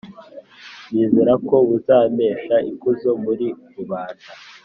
Nizera ko buzampesha ikuzo muri rubanda,